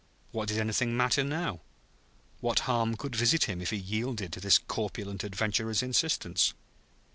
What did anything matter, now? What harm could visit him if he yielded to this corpulent adventurer's insistence?